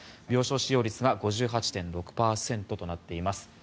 病床使用率は５８．６％となっています。